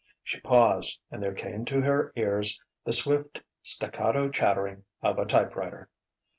She paused; and there came to her ears the swift staccato chattering of a typewriter.